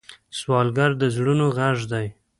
سوالګر د زړونو غږ دی